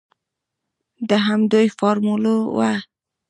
د همدوی فارموله وه.